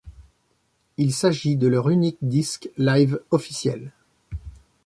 Il s'agit de leur unique disque live officiel.